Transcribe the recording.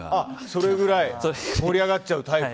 それぐらい盛り上がっちゃうタイプ。